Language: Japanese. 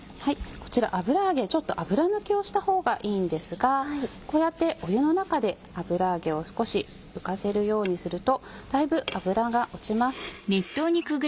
こちら油揚げちょっと油抜きをしたほうがいいんですがこうやって湯の中で油揚げを少し浮かせるようにするとだいぶ油が落ちます。